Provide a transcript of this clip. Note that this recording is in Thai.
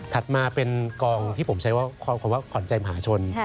มาเป็นกองที่ผมใช้ว่าคำว่าขวัญใจมหาชน